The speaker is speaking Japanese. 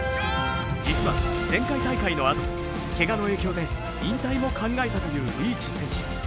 実は前回大会のあとけがの影響で引退も考えたというリーチ選手。